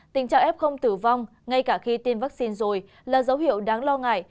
tình trạng f không tử vong ngay cả khi tiêm vaccine rồi là dấu hiệu đáng lo ngại